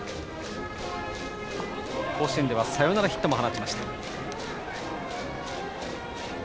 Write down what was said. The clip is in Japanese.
甲子園ではサヨナラヒットも放ちました。